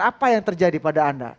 apa yang terjadi pada anda